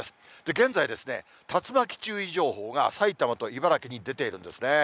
現在、竜巻注意情報が埼玉と茨城にえ出ているんですね。